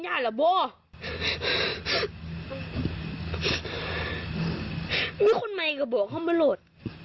ทำไมเข้ากับบอกเข้าไม่หลด